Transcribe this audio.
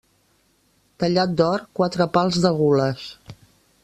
Tallat d'or, quatre pals de gules.